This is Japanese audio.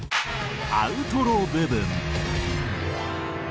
アウトロ部分。